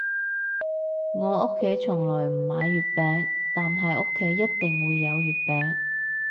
我屋企從來唔買月餅，但係屋企一定會有月餅